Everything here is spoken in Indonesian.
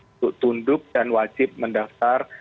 untuk tunduk dan wajib mendaftar